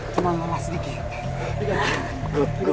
cuma lelah sedikit